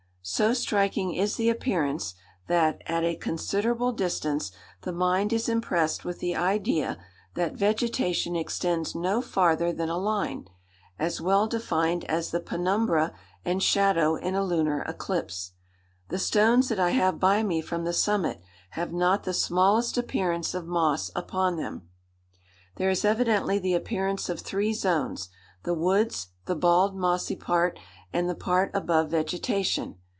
So striking is the appearance, that, at a considerable distance, the mind is impressed with the idea that vegetation extends no farther than a line, as well defined as the penumbra and shadow in a lunar eclipse. The stones that I have by me from the summit have not the smallest appearance of moss upon them. "There is evidently the appearance of three zones—the woods, the bald, mossy part, and the part above vegetation.